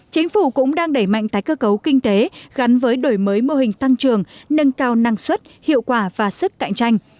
chính phủ cũng đang đẩy mạnh tái cơ cấu kinh tế gắn với đổi mới mô hình tăng trưởng nâng cao năng suất hiệu quả và sức cạnh tranh